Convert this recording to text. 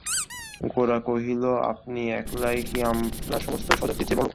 গোরা কহিল, আপনি একলাই কি আপনার সমস্ত স্বজাতির চেয়ে বড়ো?